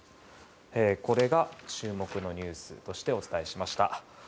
これが注目のニュースとしてお伝えしました。